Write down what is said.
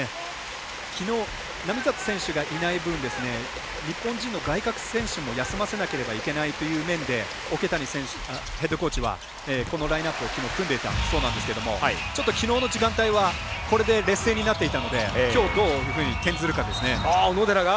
きのう並里選手がいない分日本人の外角選手も休ませなければいけないという面で桶谷ヘッドコーチはこのラインナップをきのう、組んでいたそうですがちょっときのうの時間帯はこれで劣勢になっていたのできょう、どういうふうに転じるかですね。